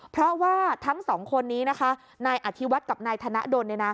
เพราะว่าทั้งสองคนนี้นะคะนายอธิวัฒน์กับนายธนดล